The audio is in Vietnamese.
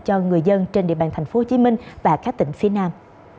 cho người dân trên địa bàn tp hcm và các tỉnh phía nam